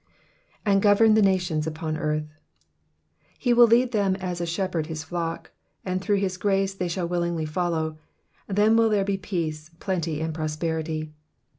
And govern ths nations upon earth.'''' He will lead them as a shepherd his fiock, and through his ffrace they shall willingly follow, then will there be peace, plenty, and prosperity.